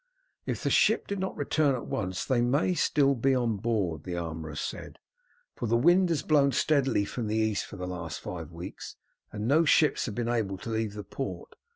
"If the ship did not return at once they may still be on board," the armourer said, "for the wind has blown steadily from the east for the last five weeks, and no ships have been able to leave the port.